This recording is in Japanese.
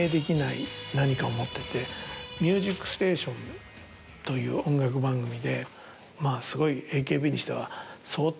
『ミュージックステーション』という音楽番組でまぁすごいＡＫＢにしては相当。